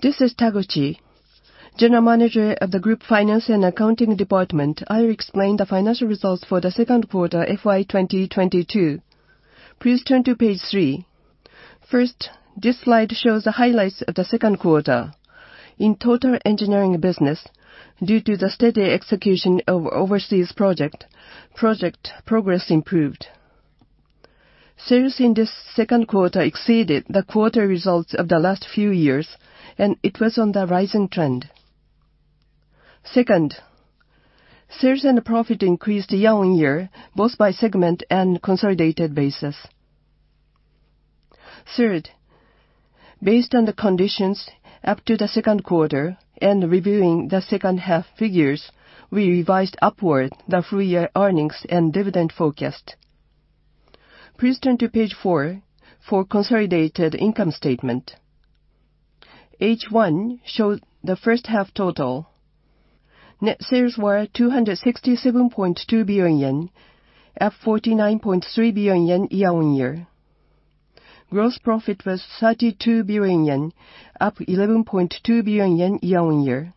This is Taguchi, General Manager of the Group Finance and Accounting Department. I'll explain the financial results for the second quarter, FY 2022. Please turn to page three. First, this slide shows the highlights of the second quarter. In Total Engineering business, due to the steady execution of overseas project progress improved. Sales in this second quarter exceeded the quarter results of the last few years, and it was on the rising trend. Second, sales and profit increased year-on-year, both by segment and consolidated basis. Third, based on the conditions up to the second quarter and reviewing the second half figures, we revised upward the full year earnings and dividend forecast. Please turn to page four for consolidated income statement. H1 showed the first half total. Net sales were 267.2 billion yen, up 49.3 billion yen year-on-year. Gross profit was 32 billion yen, up 11.2 billion yen year-on-year.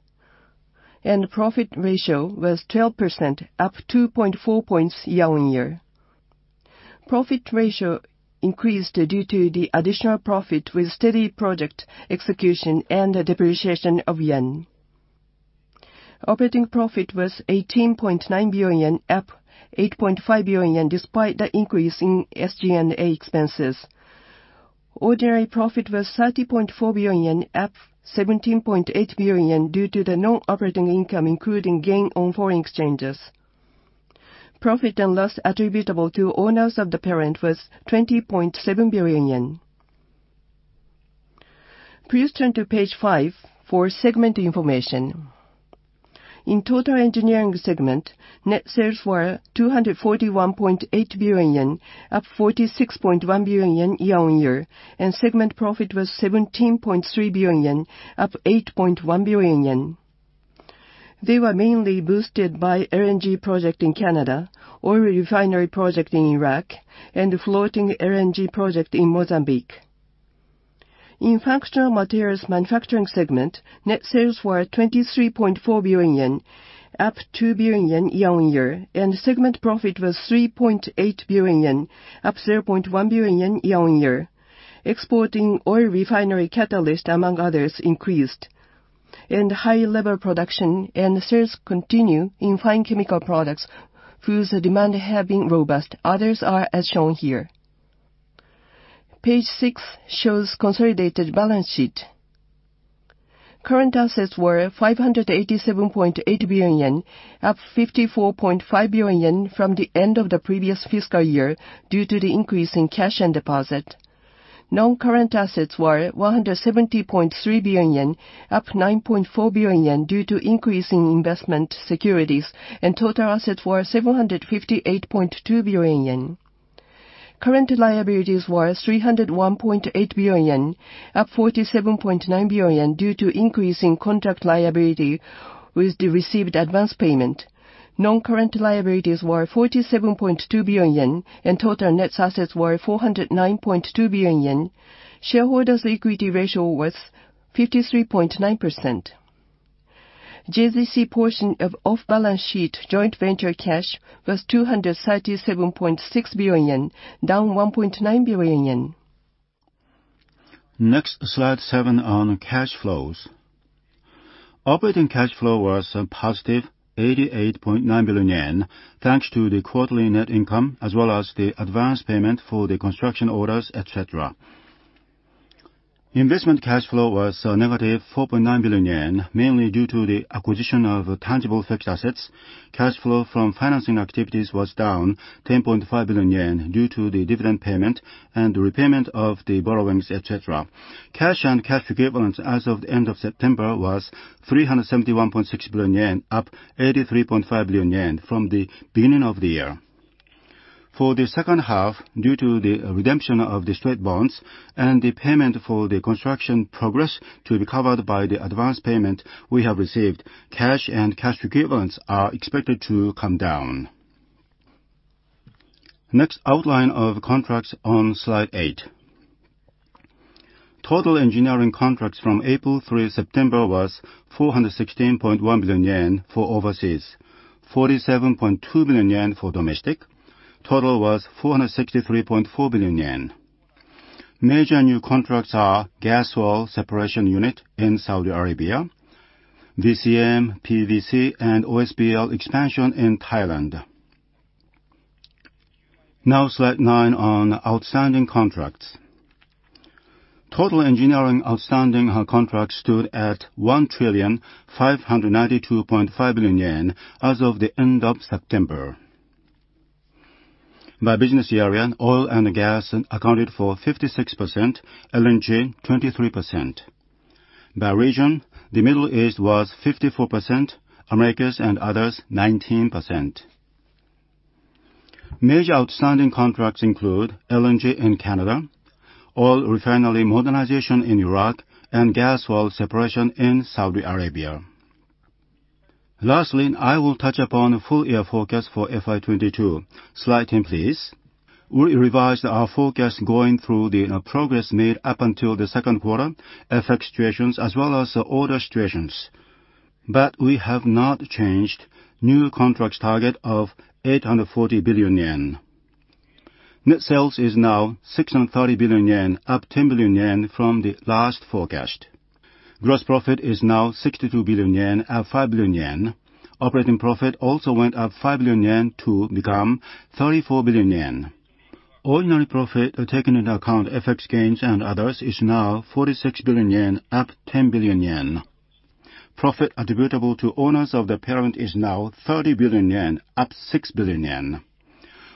Profit ratio was 12%, up 2.4 points year-on-year. Profit ratio increased due to the additional profit with steady project execution and the depreciation of yen. Operating profit was 18.9 billion, up 8.5 billion, despite the increase in SG&A expenses. Ordinary profit was 30.4 billion yen, up 17.8 billion yen, due to the non-operating income including gain on foreign exchanges. Profit and loss attributable to owners of the parent was 20.7 billion yen. Please turn to page 5 for segment information. In Total Engineering segment, net sales were 241.8 billion yen, up 46.1 billion yen year-on-year, and segment profit was 17.3 billion yen, up 8.1 billion yen. They were mainly boosted by LNG project in Canada, oil refinery project in Iraq, and floating LNG project in Mozambique. In functional materials manufacturing segment, net sales were 23.4 billion yen, up 2 billion yen year-on-year, and segment profit was 3.8 billion yen, up 0.1 billion yen year-on-year. Exporting oil refinery catalyst, among others, increased, and high-level production and sales continue in fine chemical products whose demand have been robust. Others are as shown here. Page six shows consolidated balance sheet. Current assets were 587.8 billion yen, up 54.5 billion yen from the end of the previous fiscal year due to the increase in cash and deposit. Non-current assets were 170.3 billion yen, up 9.4 billion yen due to increase in investment securities, and total assets were 758.2 billion yen. Current liabilities were 301.8 billion yen, up 47.9 billion yen due to increase in contract liability with the received advance payment. Non-current liabilities were 47.2 billion yen, and total net assets were 409.2 billion yen. Shareholders' equity ratio was 53.9%. JGC portion of off-balance sheet joint venture cash was 237.6 billion yen, down 1.9 billion yen. Next, slide seven on cash flows. Operating cash flow was +88.9 billion yen, thanks to the quarterly net income as well as the advance payment for the construction orders, et cetera. Investment cash flow was -4.9 billion yen, mainly due to the acquisition of tangible fixed assets. Cash flow from financing activities was down 10.5 billion yen due to the dividend payment and the repayment of the borrowings, et cetera. Cash and cash equivalents as of the end of September was 371.6 billion yen, up 83.5 billion yen from the beginning of the year. For the second half, due to the redemption of the straight bonds and the payment for the construction progress to be covered by the advance payment we have received, cash and cash equivalents are expected to come down. Next, outline of contracts on slide eight. Total engineering contracts from April through September was 416.1 billion yen for overseas, 47.2 billion yen for domestic. Total was 463.4 billion yen. Major new contracts are gas oil separation plant in Saudi Arabia, VCM, PVC, and OSBL expansion in Thailand. Now slide nine on outstanding contracts. Total engineering outstanding contracts stood at 1,592.5 billion yen as of the end of September. By business area, oil and gas accounted for 56%, LNG 23%. By region, the Middle East was 54%, Americas and others 19%. Major outstanding contracts include LNG Canada, oil refinery modernization in Iraq, and gas oil separation plant in Saudi Arabia. Lastly, I will touch upon full year forecast for FY2022. Slide 10, please. We revised our forecast going through the progress made up until the second quarter FX situations as well as the order situations. We have not changed new contracts target of 840 billion yen. Net sales is now 630 billion yen, up 10 billion yen from the last forecast. Gross profit is now 62 billion yen, up 5 billion yen. Operating profit also went up 5 billion yen to become 34 billion yen. Ordinary profit taken into account FX gains and others is now 46 billion yen, up 10 billion yen. Profit attributable to owners of the parent is now 30 billion yen, up 6 billion yen.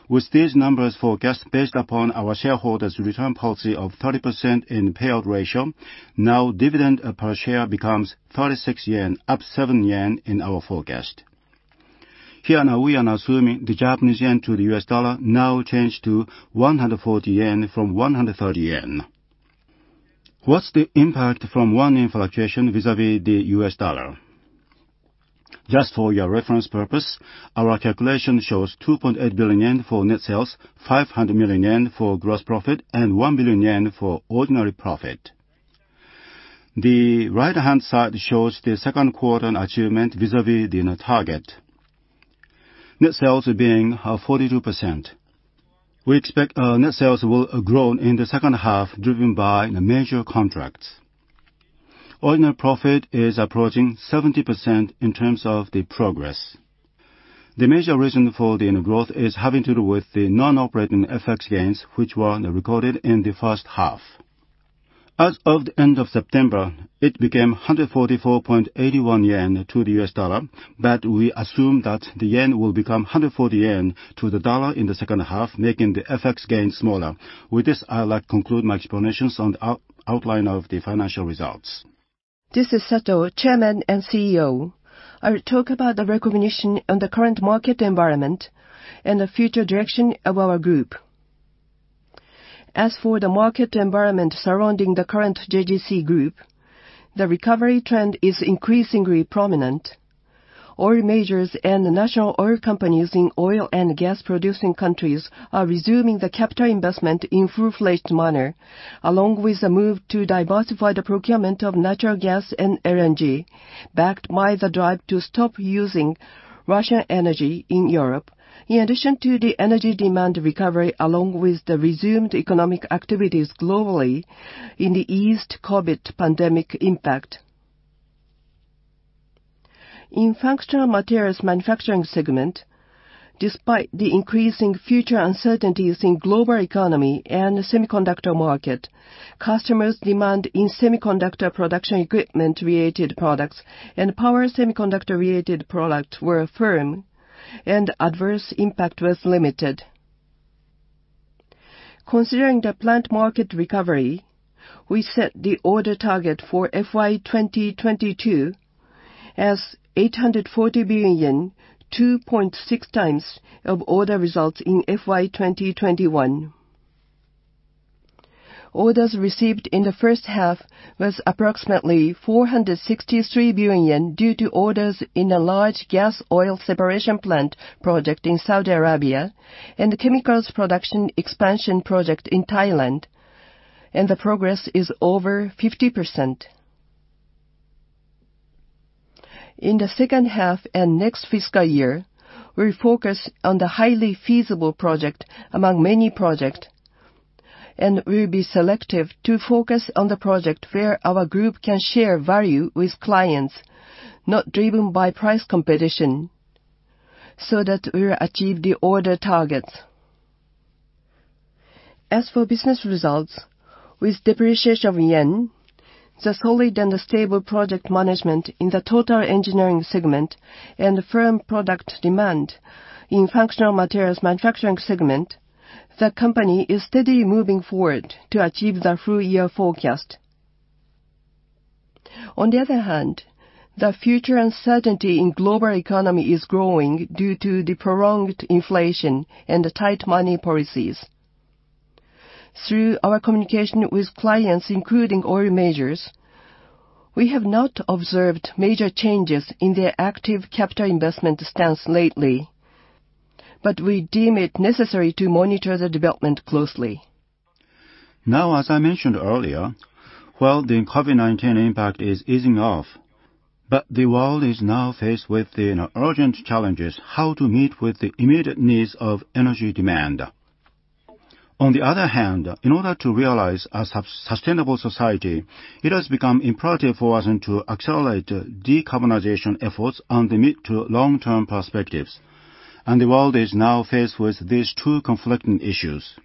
With these numbers forecast based upon our shareholders' return policy of 30% in payout ratio, now dividend per share becomes 36 yen, up 7 yen in our forecast. We are now assuming the Japanese yen to the U.S. dollar exchange now change to 140 yen from 130 yen. What's the impact from yen inflation vis-à-vis the U.S. dollar? Just for your reference purpose, our calculation shows 2.8 billion yen for net sales, 500 million yen for gross profit, and 1 billion yen for ordinary profit. The right-hand side shows the second quarter achievement vis-à-vis the target. Net sales being 42%. We expect net sales will grow in the second half, driven by the major contracts. Ordinary profit is approaching 70% in terms of the progress. The major reason for the growth is having to do with the non-operating FX gains, which were recorded in the first half. As of the end of September, it became 144.81 yen to the U.S. dollar, but we assume that the yen will become 140 yen to the dollar in the second half, making the FX gain smaller. With this, I'd like to conclude my explanations on the outline of the financial results. This is Sato, Chairman and CEO. I will talk about the recognition on the current market environment and the future direction of our group. As for the market environment surrounding the current JGC Group, the recovery trend is increasingly prominent. Oil majors and the national oil companies in oil and gas producing countries are resuming the capital investment in full-fledged manner, along with a move to diversify the procurement of natural gas and LNG, backed by the drive to stop using Russian energy in Europe, in addition to the energy demand recovery, along with the resumed economic activities globally in the eased COVID pandemic impact. In functional materials manufacturing segment, despite the increasing future uncertainties in global economy and the semiconductor market, customers' demand in semiconductor production equipment-related products and power semiconductor-related products were firm, and adverse impact was limited. Considering the plant market recovery, we set the order target for FY 2022 as 840 billion, 2.6x of order results in FY 2021. Orders received in the first half was approximately 463 billion yen due to orders in a large gas oil separation plant project in Saudi Arabia and the chemicals production expansion project in Thailand, and the progress is over 50%. In the second half and next fiscal year, we focus on the highly feasible project among many project, and we'll be selective to focus on the project where our group can share value with clients, not driven by price competition, so that we will achieve the order targets. As for business results, with depreciation of yen, the solid and the stable project management in the Total Engineering segment and firm product demand in the Functional Materials Manufacturing segment, the company is steadily moving forward to achieve the full year forecast. On the other hand, the future uncertainty in global economy is growing due to the prolonged inflation and the tight money policies. Through our communication with clients, including oil majors, we have not observed major changes in their active capital investment stance lately, but we deem it necessary to monitor the development closely. Now, as I mentioned earlier, while the COVID-19 impact is easing off, but the world is now faced with the, you know, urgent challenges how to meet with the immediate needs of energy demand. On the other hand, in order to realize a sustainable society, it has become imperative for us and to accelerate decarbonization efforts on the mid to long-term perspectives. The world is now faced with these two conflicting issues.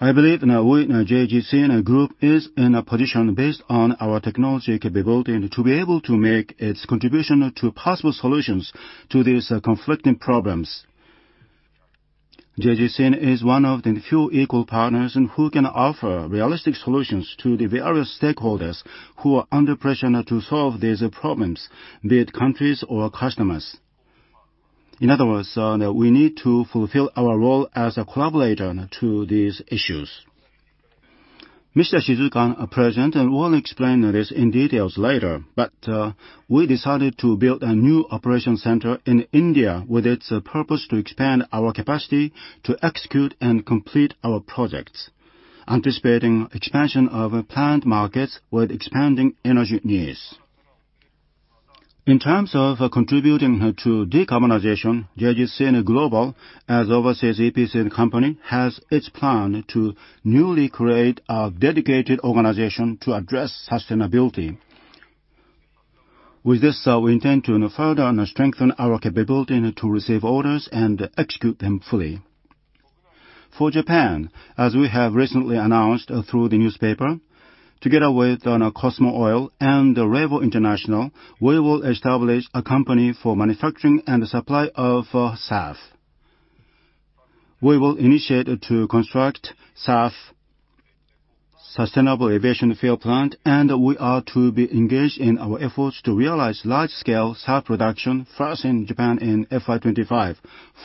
I believe now we, JGC Group, is in a position based on our technology capability and to be able to make its contribution to possible solutions to these conflicting problems. JGC is one of the few equal partners and who can offer realistic solutions to the various stakeholders who are under pressure now to solve these problems, be it countries or customers. In other words, we need to fulfill our role as a collaborator to these issues. Mr. Ishizuka, our president, will explain this in detail later, but we decided to build a new operation center in India with its purpose to expand our capacity to execute and complete our projects, anticipating expansion of plant markets with expanding energy needs. In terms of contributing to decarbonization, JGC Global, as overseas EPC company, has its plan to newly create a dedicated organization to address sustainability. With this, we intend to further strengthen our capability to receive orders and execute them fully. For Japan, as we have recently announced through the newspaper, together with Cosmo Oil and REVO International, we will establish a company for manufacturing and supply of SAF. We will initiate to construct SAF sustainable aviation fuel plant, and we are to be engaged in our efforts to realize large-scale SAF production first in Japan in FY 2025.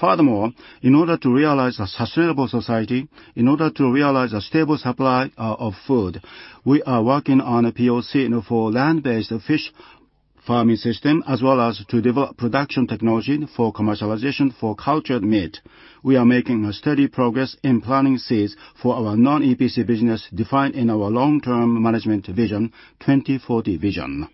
Furthermore, in order to realize a sustainable society, in order to realize a stable supply of food, we are working on a POC for land-based fish farming system as well as to develop production technology for commercialization for cultured meat. We are making a steady progress in planting seeds for our non-EPC business defined in our long-term management vision, 2040 Vision.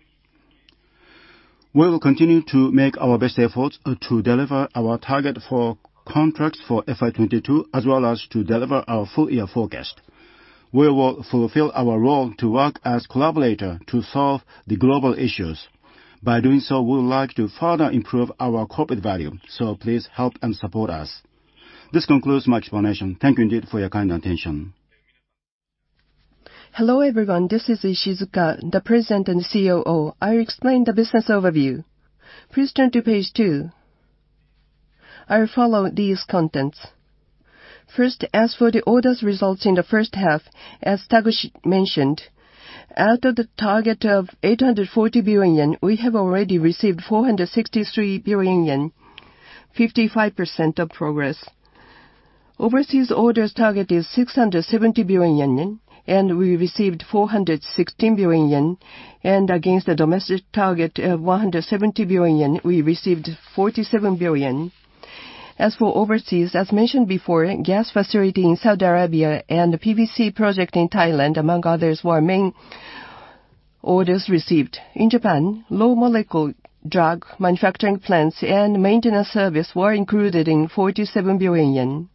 We will continue to make our best efforts to deliver our target for contracts for FY 2022, as well as to deliver our full year forecast. We will fulfill our role to work as collaborator to solve the global issues. By doing so, we would like to further improve our corporate value, so please help and support us. This concludes my explanation. Thank you indeed for your kind attention. Hello, everyone. This is Ishizuka, the President and COO. I'll explain the business overview. Please turn to page two. I'll follow these contents. First, as for the orders results in the first half, as Taguchi mentioned, out of the target of 840 billion yen, we have already received 463 billion yen, 55% of progress. Overseas orders target is 670 billion yen, and we received 416 billion yen. Against the domestic target of 170 billion yen, we received 47 billion. As for overseas, as mentioned before, gas facility in Saudi Arabia and the PVC project in Thailand, among others, were main orders received. In Japan, low molecular drug manufacturing plants and maintenance service were included in 47 billion yen.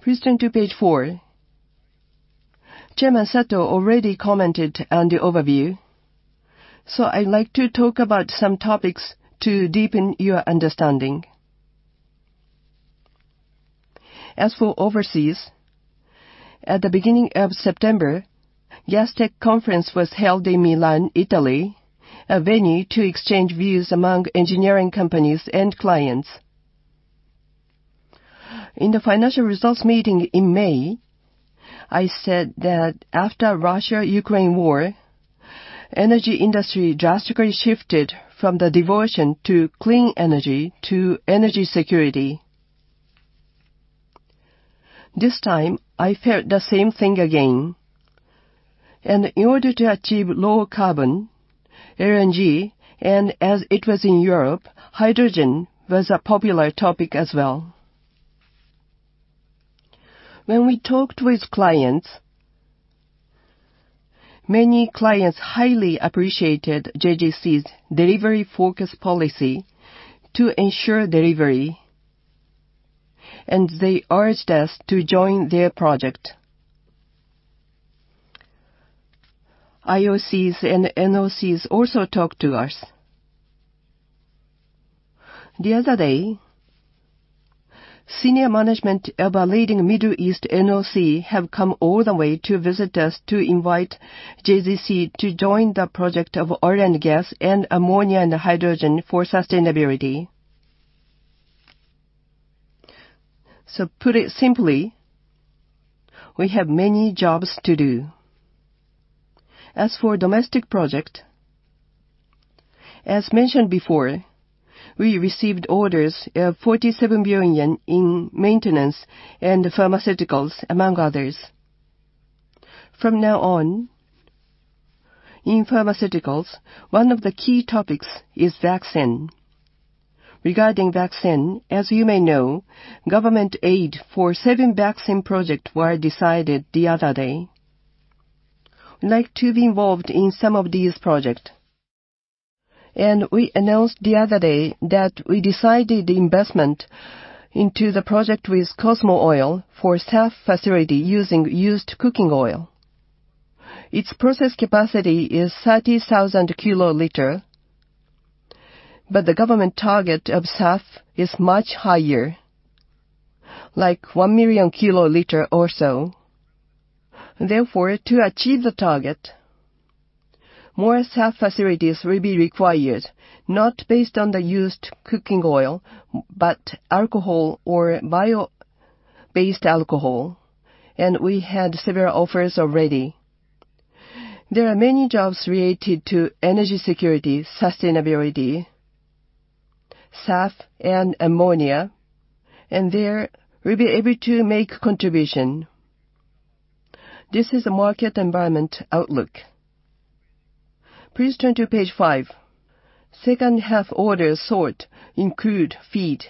Please turn to page four. Chairman Sato already commented on the overview, so I'd like to talk about some topics to deepen your understanding. As for overseas, at the beginning of September, Gastech Conference was held in Milan, Italy, a venue to exchange views among engineering companies and clients. In the financial results meeting in May, I said that after Russia-Ukraine war, energy industry drastically shifted from the devotion to clean energy to energy security. This time, I felt the same thing again. In order to achieve lower carbon, LNG, and as it was in Europe, hydrogen was a popular topic as well. When we talked with clients, many clients highly appreciated JGC's delivery-focused policy to ensure delivery, and they urged us to join their project. IOCs and NOCs also talked to us. The other day, senior management of a leading Middle East NOC have come all the way to visit us to invite JGC to join the project of oil and gas and ammonia and hydrogen for sustainability. Put it simply, we have many jobs to do. As for domestic project, as mentioned before, we received orders of 47 billion in maintenance and pharmaceuticals, among others. From now on, in pharmaceuticals, one of the key topics is vaccine. Regarding vaccine, as you may know, government aid for seven vaccine project were decided the other day. We'd like to be involved in some of these project. We announced the other day that we decided the investment into the project with Cosmo Oil for SAF facility using used cooking oil. Its process capacity is 30,000 kiloliters, but the government target of SAF is much higher, like 1 million kiloliters or so. Therefore, to achieve the target, more SAF facilities will be required, not based on the used cooking oil, but alcohol or bio-based alcohol. We had several offers already. There are many jobs related to energy security, sustainability. SAF and ammonia, and there we'll be able to make contribution. This is a market environment outlook. Please turn to page five. Second half order intake includes FEED,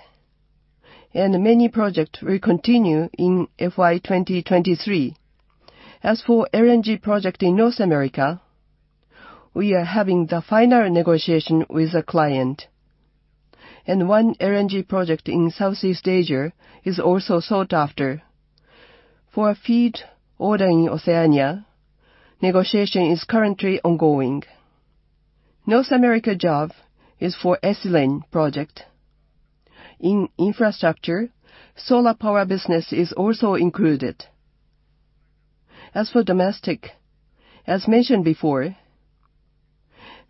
and many projects will continue in FY 2023. As for LNG project in North America, we are having the final negotiation with the client. One LNG project in Southeast Asia is also sought after. For FEED order in Oceania, negotiation is currently ongoing. North America job is for ethylene project. In infrastructure, solar power business is also included. As for domestic, as mentioned before,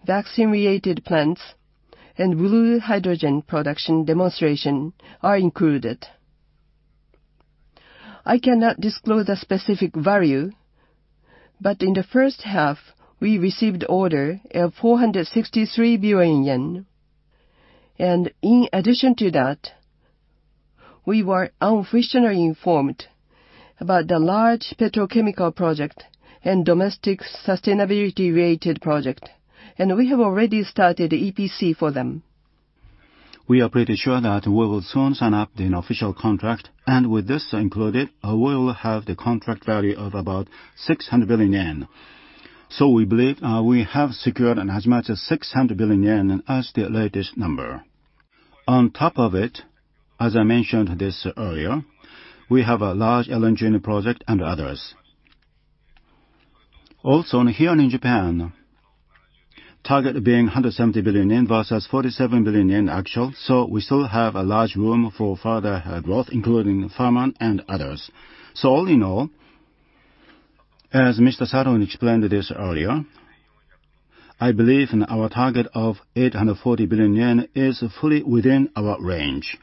vaccine-related plants and blue hydrogen production demonstration are included. I cannot disclose the specific value, but in the first half, we received order of 463 billion yen. In addition to that, we were unofficially informed about the large petrochemical project and domestic sustainability-related project, and we have already started EPC for them. We are pretty sure that we will soon sign up the official contract, and with this included, we'll have the contract value of about 600 billion yen. We believe we have secured as much as 600 billion yen as the latest number. On top of it, as I mentioned this earlier, we have a large LNG project and others. Also, here in Japan, target being 170 billion yen versus 47 billion yen actual, so we still have a large room for further growth, including pharma and others. All in all, as Mr. Sato explained this earlier, I believe our target of 840 billion yen is fully within our range.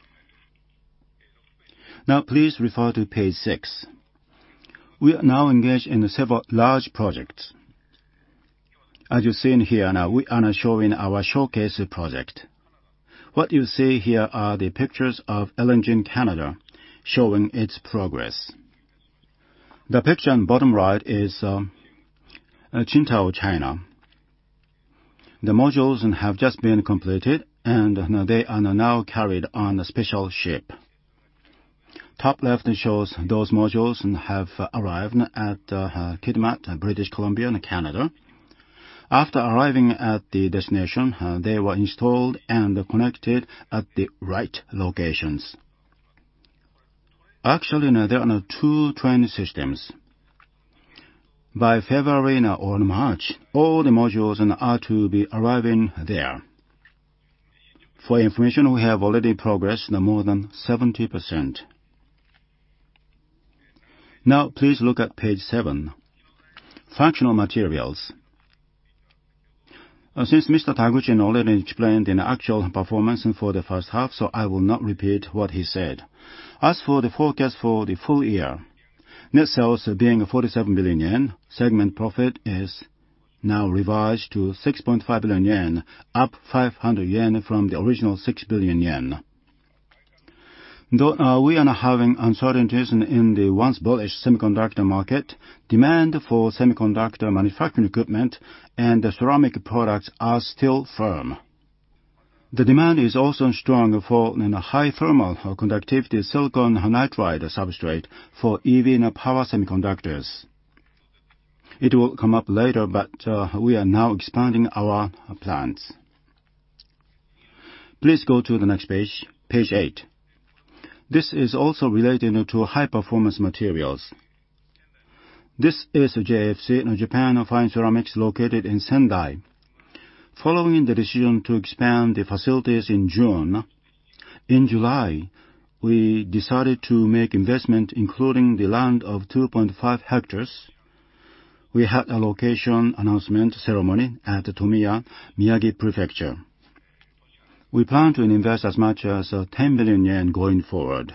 Now please refer to page six. We are now engaged in several large projects. As you've seen here now, we are now showing our showcase project. What you see here are the pictures of LNG Canada showing its progress. The picture on bottom right is Qingdao, China. The modules have just been completed, and they are now carried on a special ship. Top left shows those modules have arrived at Kitimat, British Columbia in Canada. After arriving at the destination, they were installed and connected at the right locations. Actually, there are two train systems. By February now or March, all the modules are to be arriving there. For your information, we have already progressed now more than 70%. Now please look at page seven, functional materials. Since Mr. Taguchi already explained the actual performance for the first half, so I will not repeat what he said. As for the forecast for the full year, net sales being 47 billion yen, segment profit is now revised to 6.5 billion yen, up 500 yen from the original 6 billion yen. Though, we are now having uncertainties in the once bullish semiconductor market, demand for semiconductor manufacturing equipment and the ceramic products are still firm. The demand is also strong for a high thermal conductivity silicon nitride substrate for EV and power semiconductors. It will come up later but we are now expanding our plans. Please go to the next page eight. This is also relating to high-performance materials. This is JFC, now Japan Fine Ceramics, located in Sendai. Following the decision to expand the facilities in June, in July, we decided to make investment, including the land of 2.5 hectares. We had a location announcement ceremony at Tomiya, Miyagi Prefecture. We plan to invest as much as 10 billion yen going forward.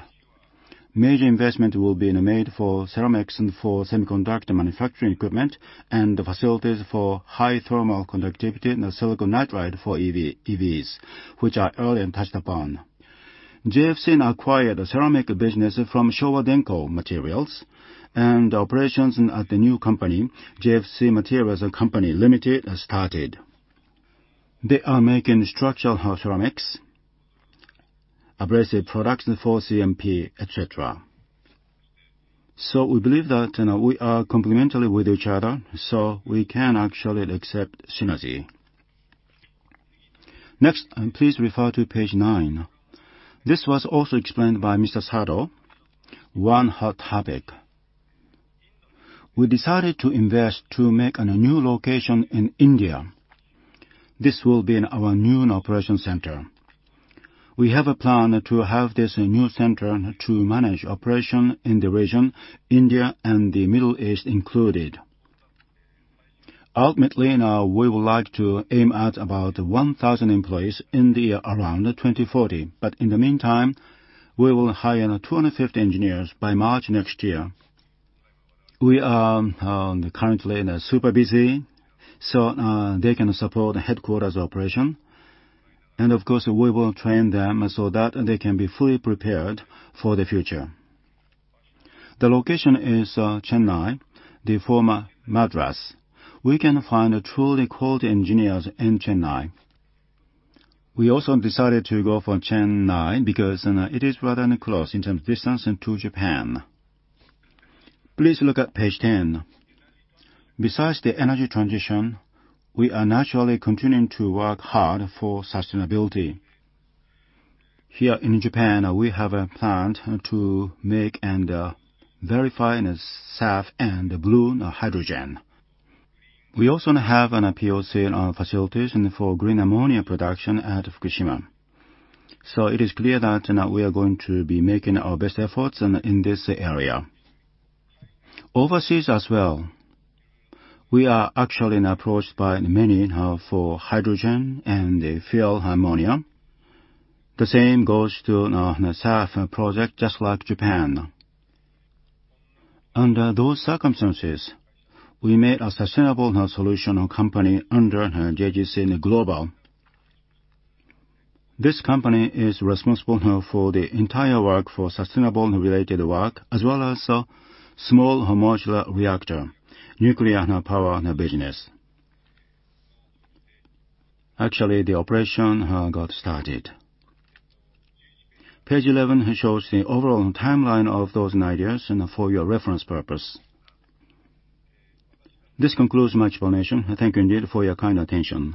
Major investment will be now made for ceramics and for semiconductor manufacturing equipment and the facilities for high thermal conductivity in the silicon nitride for EVs, which I earlier touched upon. JFC now acquired the ceramic business from Showa Denko Materials, and operations at the new company, JFC Materials Co, Ltd, has started. They are making structural ceramics, abrasive products for CMP, et cetera. We believe that, you know, we are complementary with each other, so we can actually accept synergy. Next, please refer to page nine. This was also explained by Mr. Sato. One hot topic. We decided to invest to make a new location in India. This will be in our new operation center. We have a plan to have this new center to manage operation in the region, India and the Middle East included. Ultimately, now we would like to aim at about 1,000 employees in the year around 2040. In the meantime, we will hire now 250 engineers by March next year. We are currently now super busy, so they can support the headquarters operation. Of course, we will train them so that they can be fully prepared for the future. The location is Chennai, the former Madras. We can find truly good engineers in Chennai. We also decided to go for Chennai because it is rather close in terms of distance to Japan. Please look at page 10. Besides the energy transition, we are naturally continuing to work hard for sustainability. Here in Japan, we have a plant to make and verify SAF and blue hydrogen. We also have a POC facilities for green ammonia production at Fukushima. It is clear that we are going to be making our best efforts in this area. Overseas as well, we are actually approached by many for hydrogen and ammonia. The same goes to the SAF project, just like Japan. Under those circumstances, we made a sustainable solutions company under JGC Global. This company is responsible for the entire work for sustainable related work, as well as a small modular reactor, nuclear power business. Actually, the operation got started. Page 11 shows the overall timeline of those ideas and for your reference purpose. This concludes my explanation. Thank you indeed for your kind attention.